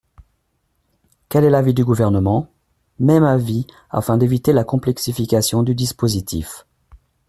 Quel est l’avis du Gouvernement ? Même avis, afin d’éviter la complexification du dispositif.